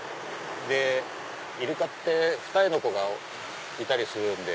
イルカってふた重の子がいたりするんで。